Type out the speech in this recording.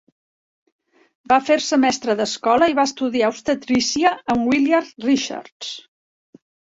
Va fer-se mestre d'escola i va estudiar obstetrícia amb Willard Richards.